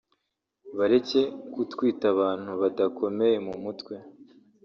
bareke kutwita abantu badakomeye mu mutwe